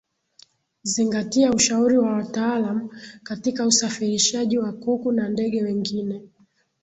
Zingatia ushauri wa wataalam katika usafirishaji wa kuku na ndege wengine